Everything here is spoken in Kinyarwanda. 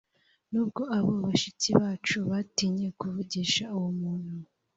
Nubwo abo bashiki bacu batinye kuvugisha uwo muntu